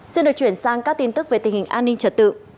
xin được chuyển sang các tin tức về tình hình an ninh trật tự